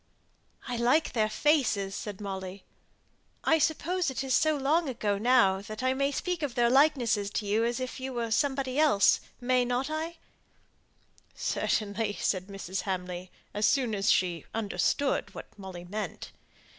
"I like their faces!" said Molly. "I suppose it is so long ago now, that I may speak of their likenesses to you as if they were somebody else; may not I?" "Certainly," said Mrs. Hamley, as soon as she understood what Molly meant.